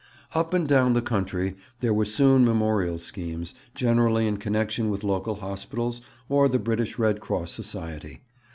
Up and down the country there were soon memorial schemes, generally in connexion with local hospitals or the British Red Cross Society.